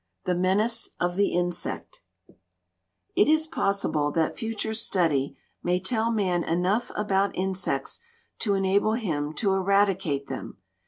THE MENACE OF THE INSECT It is possible that future study may tell man enough about insects to enable him to eradicate them.